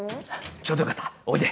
ちょうどよかったおいで。